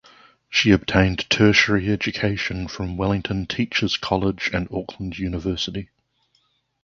She obtained tertiary education from Wellington Teachers College and Auckland University.